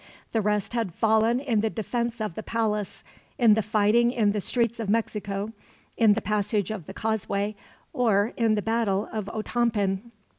The rest had fallen in the defense of the palace, in the fighting in the streets of Mexico, in the passage of the causeway, or in the battle of Otompan.